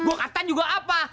gua katan juga apa